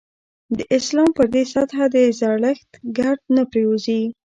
د اسلام پر دې سطح د زړښت ګرد نه پرېوځي.